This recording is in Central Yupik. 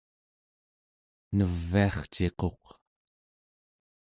neviarciquq